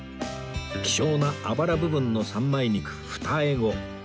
希少なあばら部分の三枚肉フタエゴ